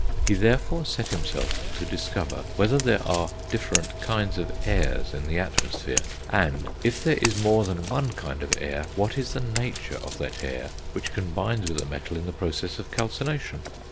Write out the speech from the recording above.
He, therefore, set himself to discover whether there are different kinds of "airs" in the atmosphere, and, if there is more than one kind of "air," what is the nature of that "air" which combines with a metal in the process of calcination.